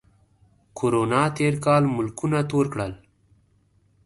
کرونا تېر کال ملکونه تور کړل